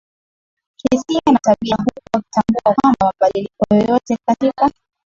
hisia na tabia huku wakitambua kwamba mabadiliko yoyote katika